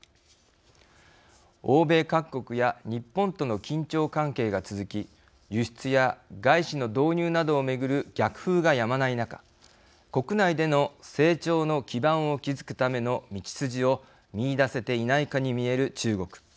欧米各国や日本との緊張関係が続き輸出や外資の導入などを巡る逆風がやまない中国内での成長の基盤を築くための道筋を見いだせていないかに見える中国。